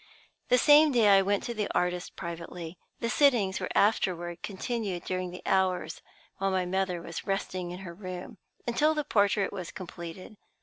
The same day I went to the artist privately. The sittings were afterward continued during the hours while my mother was resting in her room, until the portrait was completed.